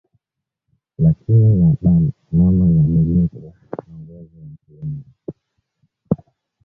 Lakini na ba mama nabo beko na uwezo yaku yenga